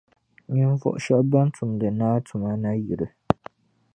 Ninvuɣu shεba ban tumdi Naa tuma nayili